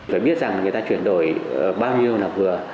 phải biết rằng người ta chuyển đổi bao nhiêu là vừa